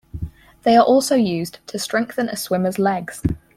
They are also used to strengthen a swimmers legs.